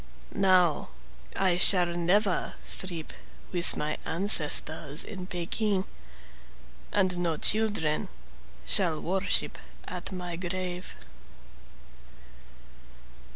Now I shall never sleep with my ancestors in Pekin, And no children shall worship at my grave.